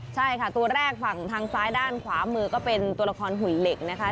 ใช่ค่ะตัวแรกฝั่งทางซ้ายด้านขวามือก็เป็นตัวละครหุ่นเหล็กนะคะ